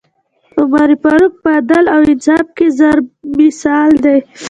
عمر فاروق په عدل او انصاف کي ضَرب مثل دی